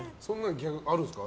あるんですか？